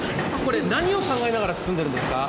何を考えながら包んでるんですか？